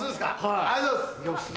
ありがとうございます！